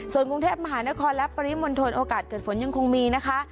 ส่วนกรุงเทพมหานครและปริมณฑลโอกาสเกิดฝนยังคงมีนะคะ